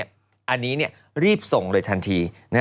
อันนี้รีบส่งเลยทันที